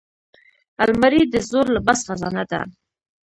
الماري د زوړ لباس خزانه ده